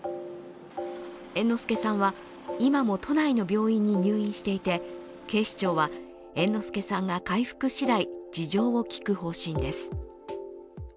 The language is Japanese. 猿之助さんは今も都内の病院に入院していて警視庁は猿之助さんが回復次第、事情を聴く方針です。